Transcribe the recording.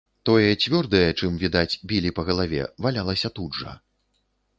Тое цвёрдае, чым, відаць, білі па галаве, валялася тут жа.